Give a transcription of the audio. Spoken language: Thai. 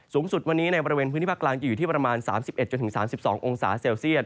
สูงสุดวันนี้ในบริเวณพื้นที่ภาคกลางจะอยู่ที่ประมาณ๓๑๓๒องศาเซลเซียต